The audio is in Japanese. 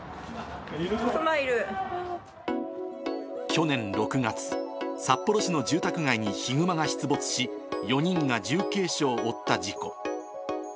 去年６月、札幌市の住宅街にヒグマが出没し、４人が重軽傷を負った事故。